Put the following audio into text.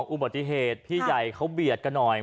อุบัติเหตุพี่ใหญ่เขาเบียดกันหน่อย